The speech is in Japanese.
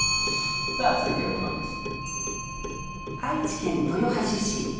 さあ続いて６番です。